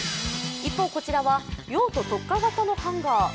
一方、こちらは用途特化型のハンガー。